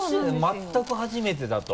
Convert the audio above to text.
全く初めてだと。